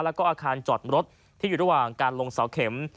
แล้วก็อาคารจอดรถที่อยู่ระหว่างการลงเสาเข็ม